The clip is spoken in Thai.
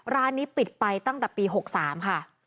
ร้านนี้ปิดไปตั้งแต่ปี๖๓ค่ะ